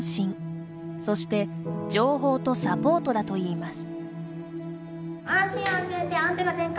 そして「情報とサポート」だといいます。